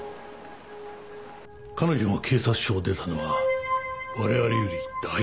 彼女が警察署を出たのは我々よりだいぶ早かった。